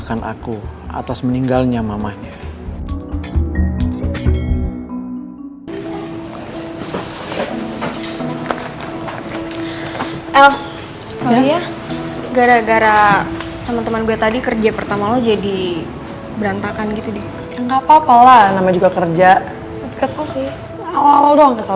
kesel sih awal awal doang kesel